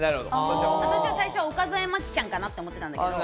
私は最初、岡副麻希ちゃんかなと思ったんだけど。